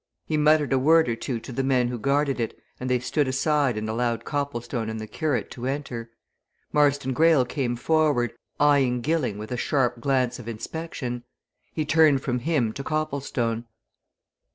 He muttered a word or two to the men who guarded it and they stood aside and allowed Copplestone and the curate to enter. Marston Greyle came forward, eyeing Gilling with a sharp glance of inspection. He turned from him to Copplestone.